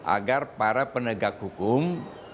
agar para penegak hukum